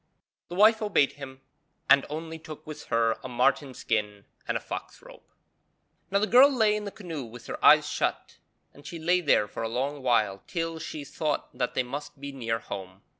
The wife obeyed him, and only took with her a marten skin and a fox robe. Now the girl lay in the canoe with her eyes shut, and she lay there for a long while till she thought that they must be near home.